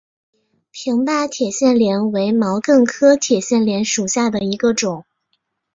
平坝铁线莲为毛茛科铁线莲属下的一个种。